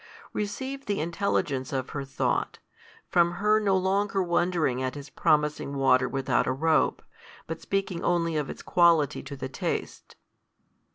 Receive the intelligence of her thought, from her no longer wondering at His promising water with out a rope, but speaking only of its quality to the taste.